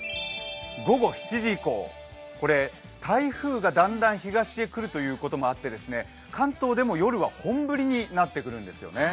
午後７時以降、台風がだんだん東へ来るということもあって関東でも夜は本降りになってくるんですよね。